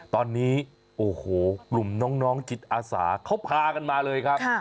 ตอนนี้โอ้โหกลุ่มน้องจิตอาสาเขาพากันมาเลยครับ